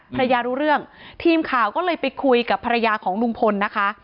รู้เรื่องทีมข่าวก็เลยไปคุยกับภรรยาของลุงพลนะคะ